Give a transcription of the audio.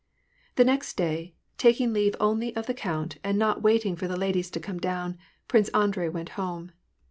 The next day, taking leave only of the count, and not wait ing for the ladies to come down, Prince Andrei went home.